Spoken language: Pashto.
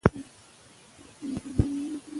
وزیرفتح خان د خپلو ځواکونو د نظم ساتونکی و.